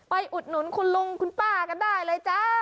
อุดหนุนคุณลุงคุณป้ากันได้เลยจ้า